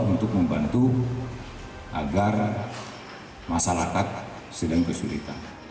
untuk membantu agar masalah tak sedang kesulitan